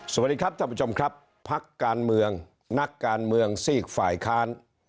สวัสดีครับท่านผู้ชมครับพักการเมืองนักการเมืองซีกฝ่ายค้าน